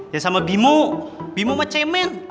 ya sama bimo bimo sama cemen